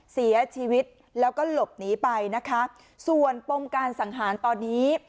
เสียชีวิตแล้วก็หลบหนีไปนะคะส่วนปมการสังหารตอนนี้